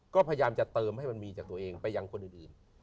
ก็พยายามจะเติมให้มันมีจากตัวเองไปยังคนอื่น